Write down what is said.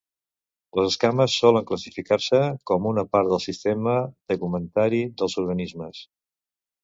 Les escames solen classificar-se com una part del sistema tegumentari dels organismes.